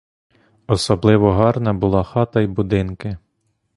Особливо гарна була хата й будинки.